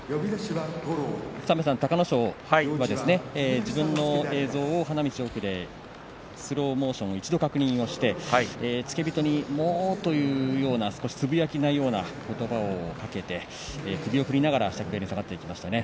隆の勝は自分の映像を花道の奥でスローモーションを一度確認して付け人に、もう、というようなつぶやきのようなことばをかけて首を振りながら下がっていきました。